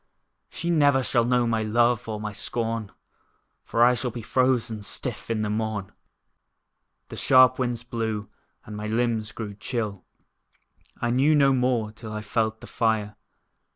She never shall know my love, or my scorn, For I shall be frozen stiff in the morn. The sharp winds blew, and my limbs grew chill. I knew no more till I felt the fire.